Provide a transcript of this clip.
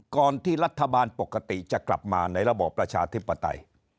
ก่อนที่รัฐบาลปกติจะกลับมาในระบอบประชาธิปไตย